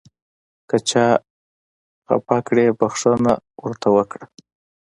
که چا خفه کړئ بښنه ورته وکړئ .